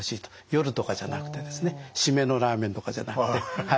夜とかじゃなくてですね締めのラーメンとかじゃなくて。